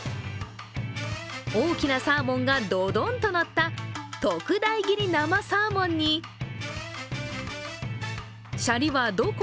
大きなサーモンがドドンとのった特大切り生サーモンにシャリはどこ？